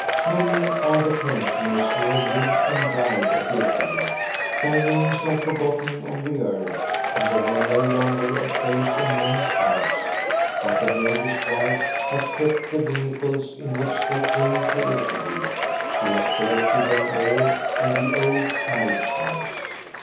Many are the pensioners who have lived and died THE OLD VEHICLES IIS at Ekeby. Their names are forgotten on the earth, and they have no longer a place in men's hearts; but the major's wife has kept the vehicles in which they came to Ekeby, she has collected them all in the old carriage house.